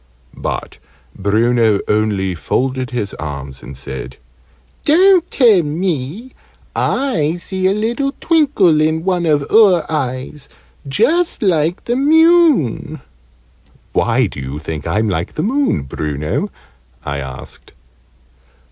But Bruno only folded his arms, and said "Don't tell me. I see a little twinkle in one of oor eyes just like the moon." "Why do you think I'm like the moon, Bruno?" I asked.